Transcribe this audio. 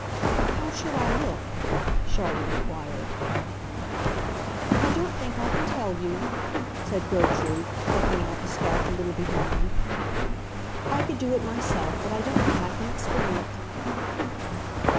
"How should I look?" Charlotte inquired. "I don't think I can tell you," said Gertrude, plucking out the scarf a little behind. "I could do it myself, but I don't think I can explain it."